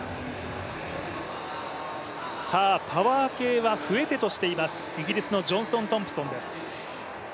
パワー系は不得手としています、イギリスのジョンソン・トンプソンです。